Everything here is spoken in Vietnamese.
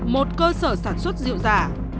một cơ sở sản xuất rượu giả